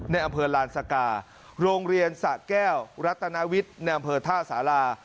ในอำเภอลานสกาโรงเรียนสะแก้วรัตนาวิทย์ในอำเภอท่าสารา